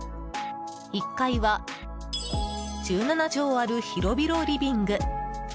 １階は１７畳ある広々リビング。